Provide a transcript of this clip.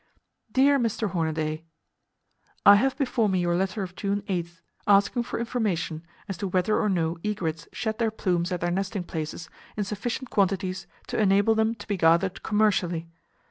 Dear Mr. Hornaday:— I have before me your letter of June 8th, asking for information as to whether or no egrets shed their plumes at their nesting places in sufficient quantities to enable them to be gathered commercially.